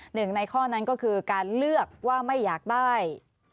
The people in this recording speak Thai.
หนึ่งในข้อนั้นก็คือการเลือกว่าไม่อยากได้